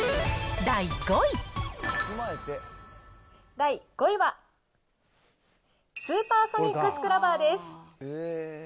第５位は、スーパーソニックスクラバーです。